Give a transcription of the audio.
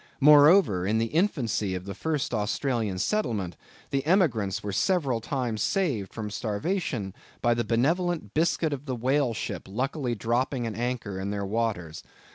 Moreover, in the infancy of the first Australian settlement, the emigrants were several times saved from starvation by the benevolent biscuit of the whale ship luckily dropping an anchor in their waters.